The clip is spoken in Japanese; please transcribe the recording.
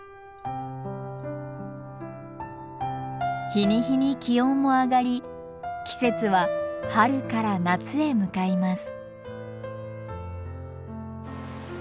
日に日に気温も上がり季節は春から夏へ向かいます。